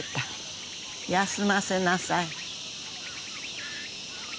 休ませなさい。